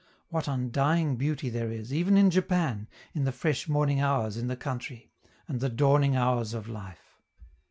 What undying beauty there is, even in Japan, in the fresh morning hours in the country, and the dawning hours of life!